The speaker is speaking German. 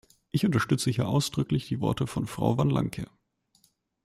Ich unterstütze hier ausdrücklich die Worte von Frau Van Lancker.